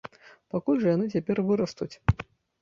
Пакуль жа яны цяпер вырастуць!